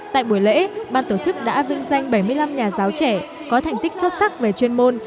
tại buổi lễ ban tổ chức đã dựng danh bảy mươi năm nhà giáo trẻ có thành tích xuất sắc về chuyên môn